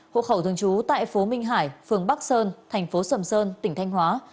hộ khẩu thương chú tại phố minh hải phường bắc sơn thành phố sầm sơn tỉnh thanh hóa